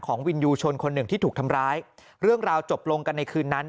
วินยูชนคนหนึ่งที่ถูกทำร้ายเรื่องราวจบลงกันในคืนนั้น